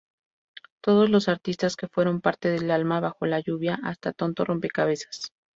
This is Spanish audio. Todos los artistas que fueron parte de: Alma bajo la lluvia, hasta Tonto rompecabezas.